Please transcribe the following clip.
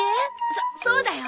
そそうだよ。